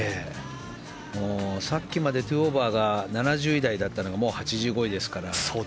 さっきまで２オーバーが７０位台だったのがもう８５位ですから。